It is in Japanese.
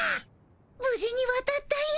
無事に渡ったよ。